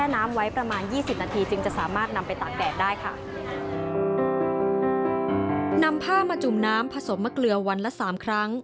นำผ้ามาจุ่มน้ำผสมมะเกลือวันละ๓ครั้ง